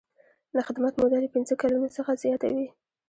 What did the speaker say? د خدمت موده له پنځه کلونو څخه زیاته وي.